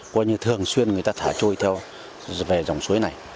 qua như thường xuyên người ta thả trôi theo về dòng nước